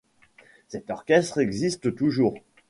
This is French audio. Cet orchestre existe toujours.